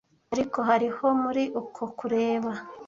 Ariko hariho muri uko kureba